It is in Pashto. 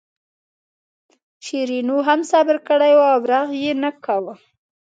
شیرینو هم صبر کړی و او برغ یې نه کاوه.